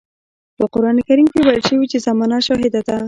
په قرآن کريم کې ويل شوي چې زمانه شاهده ده.